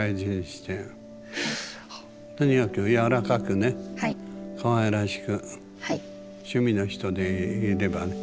とにかく柔らかくねかわいらしく趣味の人でいればね。